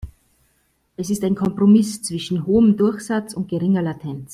Es ist ein Kompromiss zwischen hohem Durchsatz und geringer Latenz.